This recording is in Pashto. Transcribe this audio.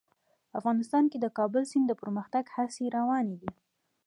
افغانستان کې د د کابل سیند د پرمختګ هڅې روانې دي.